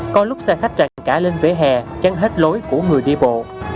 có lúc xe khách tràn cả lên vỉa hè chắn hết lối của người đi bộ